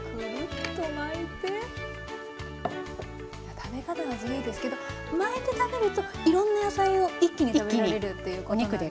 食べ方は自由ですけど巻いて食べるといろんな野菜を一気に食べられるっていうことなんですね。